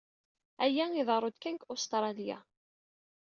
Aya iḍerru-d kan deg Ustṛalya.